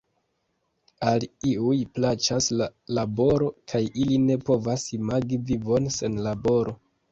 Al iuj plaĉas la laboro kaj ili ne povas imagi vivon sen laboro.